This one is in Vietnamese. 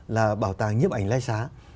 là bảo tàng nhiếp ảnh lai xá